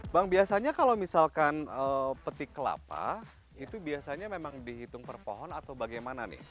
bang biasanya kalau misalkan petik kelapa itu biasanya memang dihitung per pohon atau bagaimana nih